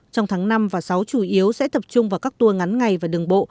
trong tháng năm và sáu chủ yếu sẽ tập trung vào các tour ngắn ngày và đường bộ